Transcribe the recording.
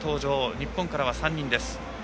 日本からは３人です。